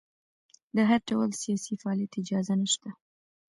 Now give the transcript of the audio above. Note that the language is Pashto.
د هر ډول سیاسي فعالیت اجازه نشته.